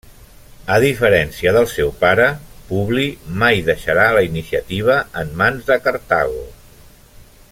A diferència del seu pare, Publi mai deixarà la iniciativa en mans de Cartago.